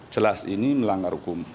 jelas ini melanggar hukum